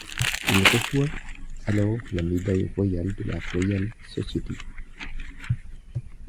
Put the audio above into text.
Il reçoit alors la Médaille royale de la Royal Society.